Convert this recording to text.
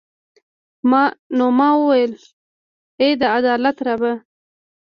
نو ما ویل ای د عدالت ربه.